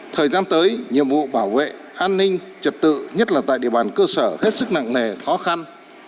thời gian tới nhiệm vụ bảo vệ an ninh trật tự nhất là tại địa bàn cơ sở hết sức nặng nề khó khăn